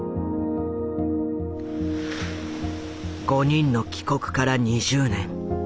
５人の帰国から２０年。